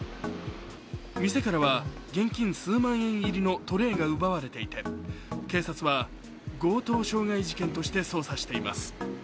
店からは現金数万円入りのトレーが奪われていて警察は強盗傷害事件として捜査しています。